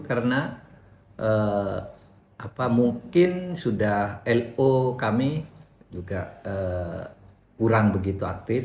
karena mungkin sudah lo kami juga kurang begitu aktif